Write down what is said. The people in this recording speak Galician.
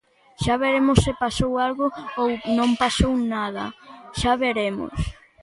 Xa veremos se pasou algo ou non pasou nada, xa veremos.